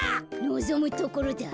のぞむところだ。